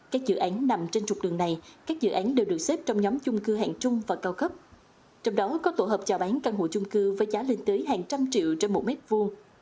các dự án nằm trên trục đường này các dự án đều được xếp trong nhóm chung cư hạng trung và cao cấp trong đó có tổ hợp chào bán căn hộ chung cư với giá lên tới hàng trăm triệu trên một mét vuông